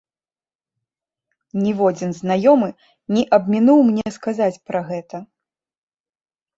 Ніводзін знаёмы не абмінуў мне сказаць пра гэта.